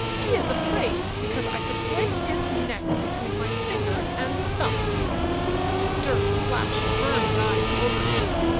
he is afraid because I could break his neck between my finger and thumb f ' Dirk flashed burning eyes over him.